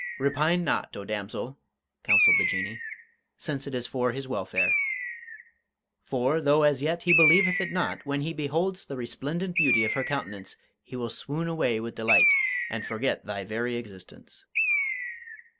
"Repine not, O damsel," counselled the Jinnee, "since it is for his welfare. For, though as yet he believeth it not, when he beholds the resplendent beauty of her countenance he will swoon away with delight and forget thy very existence."